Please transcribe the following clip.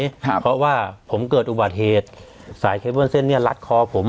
ครับเพราะว่าผมเกิดอุบัติเหตุสายเคเบิ้ลเส้นเนี้ยรัดคอผม